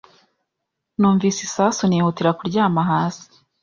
Numvise isasu nihutira kuryama hasi